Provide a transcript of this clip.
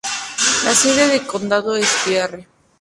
La sede del condado es Pierre.